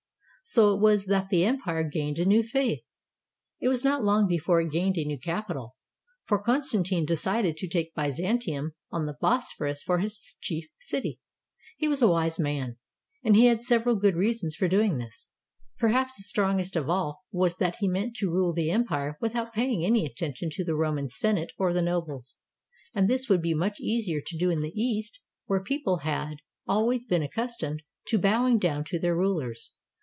So it was that the empire gained a new faith. It was not long before it gained a new capital, for Constantine decided to take Byzantium on the Bosphorus for his chief city. He was a wise man, and he had several good reasons for doing this. Perhaps the strongest of all was 529 ROME that he meant to rule the empire without paying any attention to the Roman Senate or the nobles; and this would be much easier to do in the East where people had always been accustomed to bowing down to their rulers.